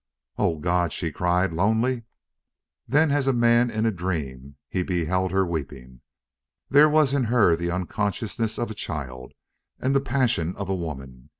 "O God!" she cried. "Lonely!" Then as a man in a dream he beheld her weeping. There was in her the unconsciousness of a child and the passion of a woman.